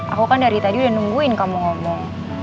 aku kan dari tadi udah nungguin kamu ngomong